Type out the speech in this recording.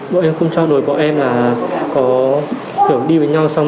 bọn em cũng cho đổi bọn em là có kiểu đi với nhau xong